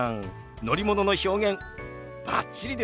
乗り物の表現バッチリですよ！